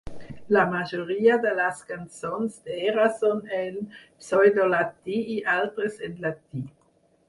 La majoria de les cançons d'Era són en pseudollatí i altres en llatí.